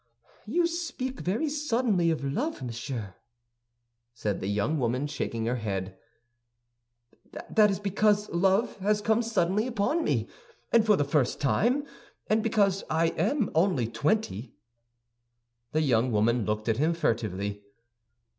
"You speak very suddenly of love, monsieur," said the young woman, shaking her head. "That is because love has come suddenly upon me, and for the first time; and because I am only twenty." The young woman looked at him furtively.